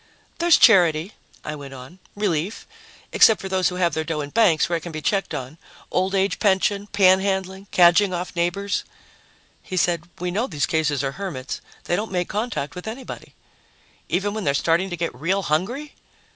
"There's charity," I went on, "relief except for those who have their dough in banks, where it can be checked on old age pension, panhandling, cadging off neighbors." He said, "We know these cases are hermits. They don't make contact with anybody." "Even when they're starting to get real hungry?"